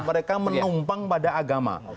mereka menumpang pada agama